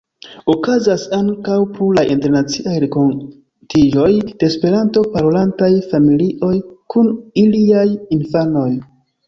Okazas ankaŭ pluraj internaciaj renkontiĝoj de Esperanto-parolantaj familioj kun iliaj infanoj.